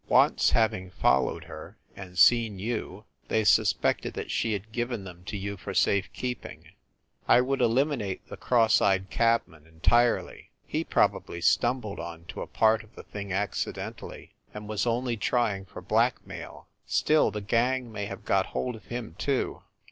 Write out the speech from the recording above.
Once having followed her, and seen you, they suspected that she had given them to you for safe keeping. I would eliminate the cross THE SUITE AT THE PLAZA 147 eyed cabman entirely he probably stumbled on to a part of the thing accidentally, and was only trying for blackmail. Still, the gang may have got hold of him, too.